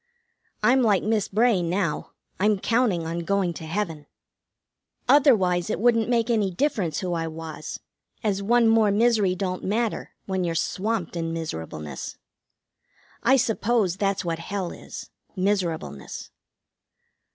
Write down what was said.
I'm like Miss Bray now. I'm counting on going to heaven. Otherwise it wouldn't make any difference who I was, as one more misery don't matter when you're swamped in miserableness. I suppose that's what hell is: Miserableness.